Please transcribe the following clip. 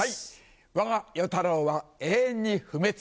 わが与太郎は永遠に不滅です。